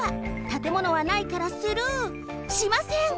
たてものはないからスルーしません！